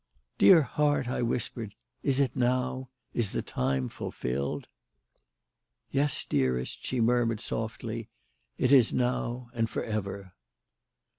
"Dear heart," I whispered, "is it now? Is the time fulfilled?" "Yes, dearest," she murmured softly. "It is now and for ever."